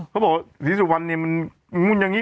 เขาบอกศรีศรีวันนี้มันมุนอย่างนี้